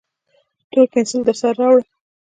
تور پینسیل درسره راوړه